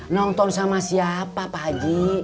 nonton sama siapa pak haji